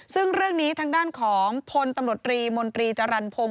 ซึ่งเรื่องนี้ทางด้านของพลตำรวจรีมนตรีจรรพงศ